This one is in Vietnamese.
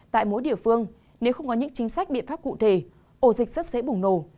tại mỗi địa phương nếu không có những chính sách biện pháp cụ thể ổ dịch rất dễ bùng nổ